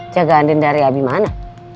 yang dinyari adi mana